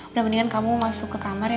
udah mendingan kamu masuk ke kamar ya